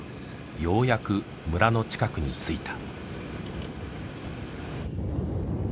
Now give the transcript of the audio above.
ようやく村の近くに着いた。